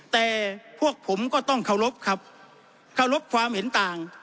แต่พวกผมก็ต้องเคารพครับเคารพความเห็นต่าง